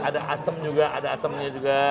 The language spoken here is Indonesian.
ada asam juga ada asamnya juga